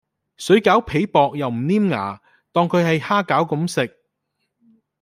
水餃皮薄又唔黏牙，當佢喺蝦餃咁食